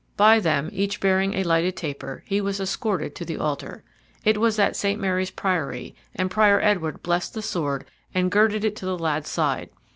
By them, each bearing a lighted taper, he was escorted to the altar. It was at St. Mary's Priory, and Prior Edward blessed the sword and girded it to the lad's side.